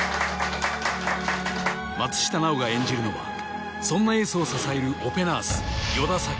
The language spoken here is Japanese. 松下奈緒が演じるのはそんなエースを支えるオペナース依田沙姫